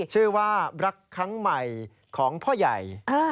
ชื่อว่ารักครั้งใหม่ของพ่อใหญ่